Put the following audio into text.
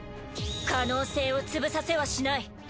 可能性を潰させはしない！